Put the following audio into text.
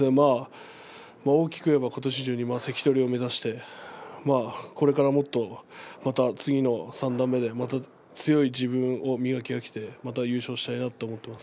大きく言えば今年中に関取を目指して、これからもっとまた次の三段目強い自分を磨き上げてまた優勝したいと思っています。